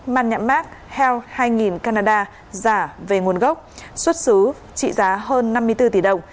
man nhạc mark health hai nghìn canada giả về nguồn gốc xuất xứ trị giá hơn năm mươi bốn tỷ đồng